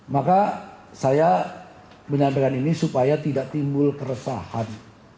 maka saya menyampaikan ini supaya tidak timbul keresahan